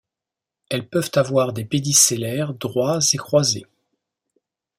Elles peuvent avoir des pédicellaires droits et croisés.